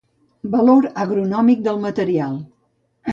Valor agronòmic del material.